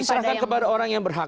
diserahkan kepada orang yang berhak